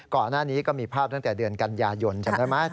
ก่อนหน้านี้ก็มีภาพตั้งแต่เดือนกันยายนจำได้ไหม